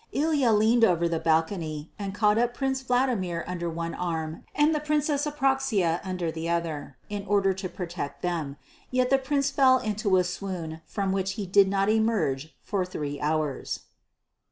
Ilya leaned over the balcony and caught up Prince Vladimir under one arm and the Princess Apraxia under the other in order to protect them; yet the Prince fell into a swoon from which he did not emerge for three hours.